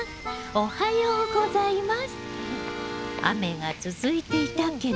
おはようございます。